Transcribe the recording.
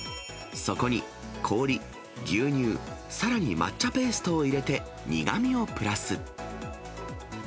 そこに氷、牛乳、さらに抹茶ペーストを入れて苦みをプラス。